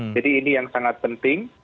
jadi ini yang sangat penting